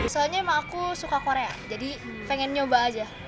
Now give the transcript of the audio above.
soalnya emang aku suka korea jadi pengen nyoba aja